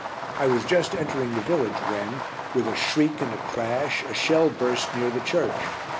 I was just entering the village when, with a shriek and a crash, a shell burst near the church.